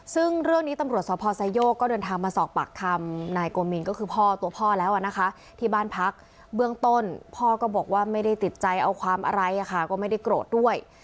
ซึ่งเรื่องนี้ตำรวจสพไซโยกก็เดินทางมาสอบปากคำนายโกมินก็คือพ่อตัวพ่อแล้วนะคะที่บ้านพักเบื้องต้นพ่อก็บอกว่าไม่ได้ติดใจเอาความอะไรก็ไม่ได้โกรธด้วย